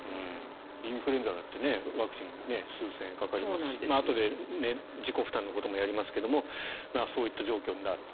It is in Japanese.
インフルエンザだってワクチン、数千円かかりますしあとで自己負担のこともやりますがそういった状況になると。